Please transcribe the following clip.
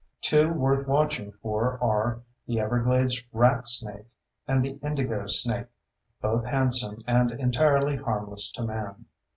Two worth watching for are the everglades rat snake and the indigo snake, both handsome and entirely harmless to man.